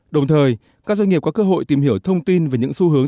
đồng thời các doanh nghiệp có cơ hội tìm hiểu thông tin về những xu hướng